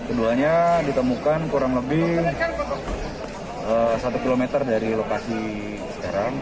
keduanya ditemukan kurang lebih satu km dari lokasi sekarang